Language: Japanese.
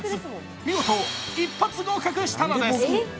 見事、一発合格したのです。